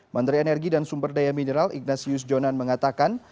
menteri energi dan sumber daya mineral ignatius jonan mengatakan